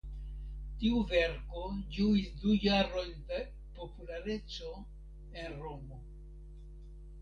Tiu verko ĝuis du jarojn de populareco en Romo.